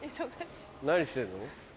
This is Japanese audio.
何してんの？